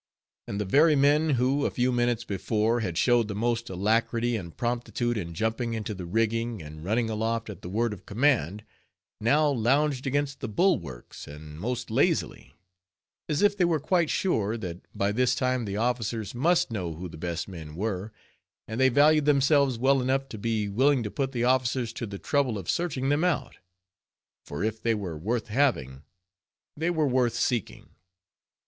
And the very men who, a few minutes before, had showed the most alacrity and promptitude in jumping into the rigging and running aloft at the word of command, now lounged against the bulwarks and most lazily; as if they were quite sure, that by this time the officers must know who the best men were, and they valued themselves well enough to be willing to put the officers to the trouble of searching them out; for if they were worth having, they were worth seeking.